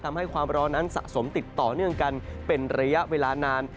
ความร้อนนั้นสะสมติดต่อเนื่องกันเป็นระยะเวลานาน